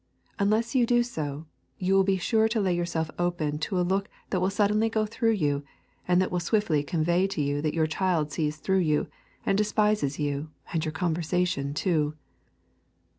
Unless you do so, you will be sure to lay yourself open to a look that will suddenly go through you, and that will swiftly convey to you that your child sees through you and despises you and your conversation too.